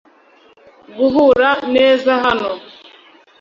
guhura neza hano